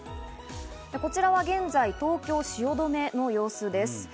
こちらは現在、東京・汐留の様子です。